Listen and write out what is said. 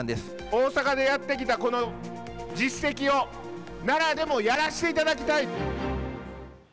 大阪でやってきたこの実績を、奈良でもやらしていただきたい。